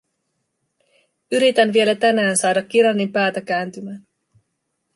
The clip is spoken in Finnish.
Yritän vielä tänään saada Kiranin päätä kääntymään.